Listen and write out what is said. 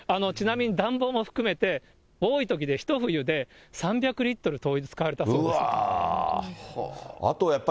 ちなみに暖房も含めて、多いときで一冬３００リットル、灯油使われたそうです。